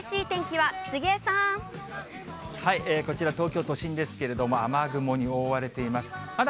こちら東京都心ですけれども、雨雲に覆われています。